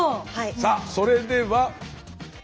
さあそれでは。